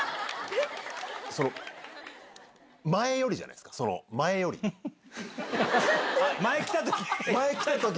その、前よりじゃないですか、前来たとき？